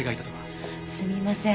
すみません。